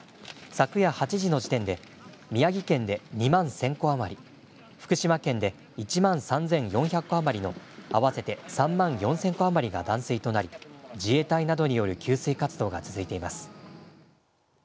昨夜８時の時点で、宮城県で２万１０００戸余り、福島県で１万３４００戸余りの合わせて３万４０００戸余りが断水となり、自衛隊などによる給水活動が続いています。